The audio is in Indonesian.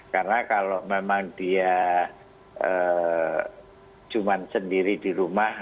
karena kalau memang dia cuma sendiri di rumah